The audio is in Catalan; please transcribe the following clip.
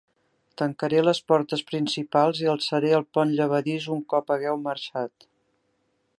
Tancaré les portes principals i alçaré el pont llevadís un cop hagueu marxat.